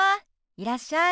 いらっしゃい。